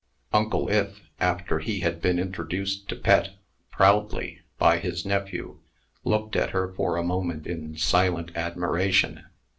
Uncle Ith, after he had been introduced to Pet, proudly, by his nephew, looked at her for a moment in silent admiration.